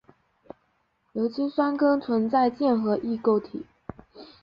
硫氰酸根存在键合异构体。